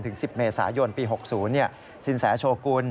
๑๐เมษายนปี๖๐สินแสโชกุล